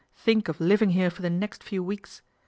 Think of living here for the next few weeks.